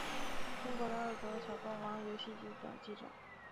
中国大陆则有小霸王游戏机等机种。